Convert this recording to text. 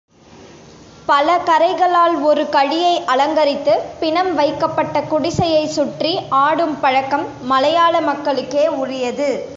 பலகறைகளால் ஒரு கழியை அலங்கரித்து, பிணம் வைக்கப்பட்ட குடிசையைச் சுற்றி ஆடும் பழக்கம் மலையாள மக்களுக்கே உரியது.